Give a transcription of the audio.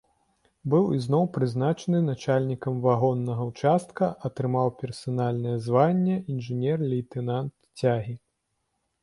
Быў ізноў прызначаны начальнікам вагоннага ўчастка, атрымаў персанальнае званне інжынер-лейтэнант цягі.